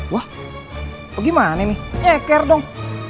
wah gimana ini nyeker dong